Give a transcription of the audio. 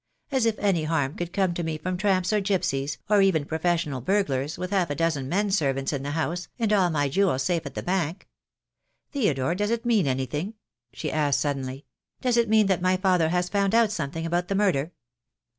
As if any harm could come to me from tramps or gipsies, or even professional burglars, with half a dozen men servants in the house, and all my jewels safe at the Bank. Theodore, does it mean anything?" she asked, suddenly. "Does it mean that my father has found out something about the murder?"